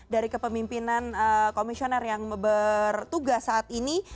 dari kepemimpinan komisioner yang bertugas saat ini